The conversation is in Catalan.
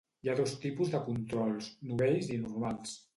Hi ha dos tipus de controls: novells i normals.